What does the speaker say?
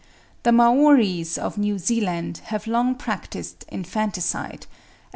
The Maories of New Zealand have long practised infanticide; and Mr. Fenton (95.